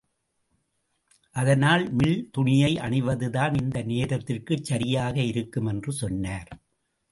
அதனால் மில் துணியை அணிவதுதான் இந்த நேரத்திற்குச் சரியாக இருக்கும் என்று சொன்னார்.